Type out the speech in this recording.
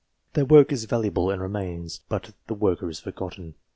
Their work is valuable, and remains, but the worker is forgotten.